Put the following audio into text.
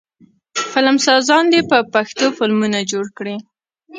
فلمسازان دې په پښتو فلمونه جوړ کړي.